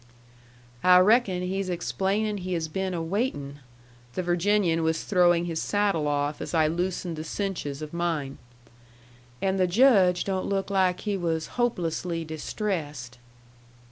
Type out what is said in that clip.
"I reckon he's explaining he has been a waiting." The Virginian was throwing his saddle off as I loosened the cinches of mine. "And the Judge don't look like he was hopelessly distressed."